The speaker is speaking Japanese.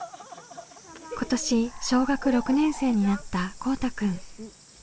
今年小学６年生になったこうたくん。